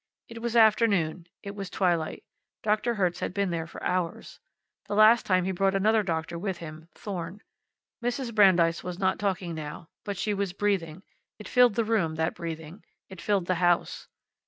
It was afternoon; it was twilight. Doctor Hertz had been there for hours. The last time he brought another doctor with him Thorn. Mrs. Brandeis was not talking now. But she was breathing. It filled the room, that breathing; it filled the house.